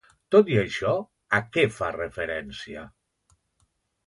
Tot i això, a què fa referència?